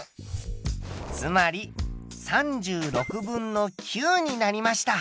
つまり３６分の９になりました。